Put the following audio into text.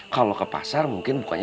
kalau ke pasar mungkin bukannya